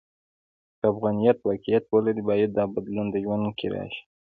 که افغانیت واقعیت ولري، باید دا بدلون د ژوند کې راشي.